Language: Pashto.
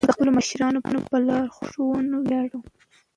موږ د خپلو مشرانو په لارښوونه ویاړو.